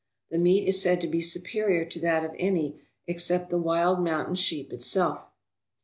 The meat is said to be superior to that of any except the wild mountain sheep itself.